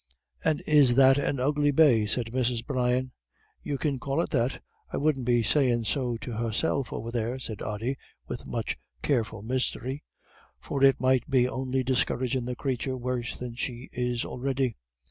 "' "And is that an ugly bay?" said Mrs. Brian. "You may call it that. I wouldn't be sayin' so to herself over there," said Ody, with much careful mystery. "For it might be on'y discouragin' the crathur worse than she is already.